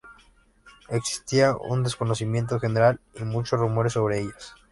Existía un desconocimiento general y muchos rumores sobre ellas.